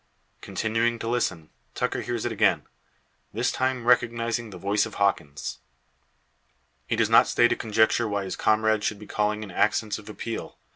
Continuing to listen, Tucker hears it again, this time recognising the voice of Hawkins. He does not stay to conjecture why his comrade should be calling in accents of appeal.